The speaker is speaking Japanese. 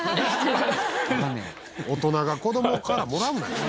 大人が子供からもらうなよ。